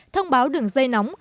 thông báo đường dây nóng